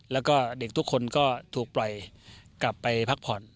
แล้วก็เด็กทุกคนก็ถูกปล่อยกลับไปพักผ่อน